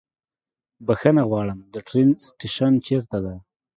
بښنه غواړم، د ټرين سټيشن چيرته ده؟